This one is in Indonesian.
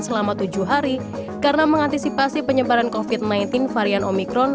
selama tujuh hari karena mengantisipasi penyebaran covid sembilan belas varian omikron